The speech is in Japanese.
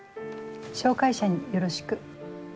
紹介者によろしく。